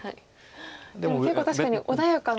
でも結構確かに穏やかな棋風。